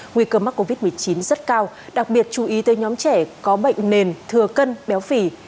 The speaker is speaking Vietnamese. nguy cơ mắc covid một mươi chín rất cao đặc biệt chú ý tới nhóm trẻ có bệnh nền thừa cân béo phì